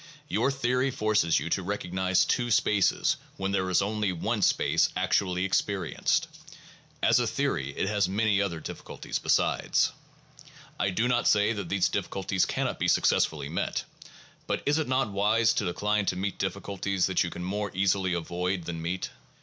Your theory forces you to recognize two spaces when there is only one space actually experienced. As a theory it has many other difficulties besides. I do not say that these difficulties cannot be successfully met; but is it not wise to decline to meet difficulties that you can more easily avoid than meet?